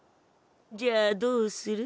じゃあどうする？